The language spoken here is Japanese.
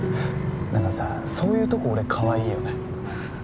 何かさそういうとこ俺かわいいよね